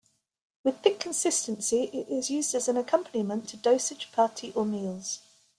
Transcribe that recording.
With thick consistency it is used as accompaniment to Dosa, Chapati or meals.